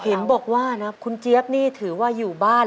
เห็นบอกว่านะคุณเจี๊ยบนี่ถือว่าอยู่บ้าน